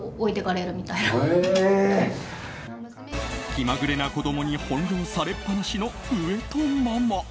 気まぐれな子供にほんろうされっぱなしの上戸ママ。